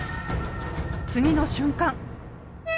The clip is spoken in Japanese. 次の瞬間